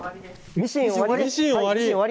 ミシン終わり？